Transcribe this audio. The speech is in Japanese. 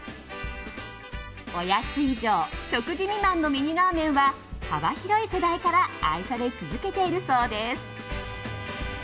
おやつ以上食事未満のミニラーメンは幅広い世代から愛され続けているそうです。